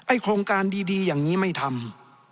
โครงการดีอย่างนี้ไม่ทำ